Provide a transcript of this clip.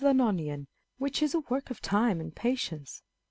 an onion, which is a work of time and patience.